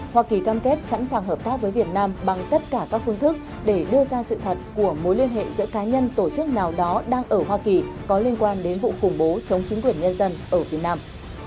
hoa kỳ cam kết sẵn sàng hợp tác với việt nam bằng tất cả các phương thức để đưa ra sự thật của mối liên hệ giữa cá nhân tổ chức nào đó đang ở hoa kỳ có liên quan đến vụ khủng bố chống chính quyền nhân dân ở việt nam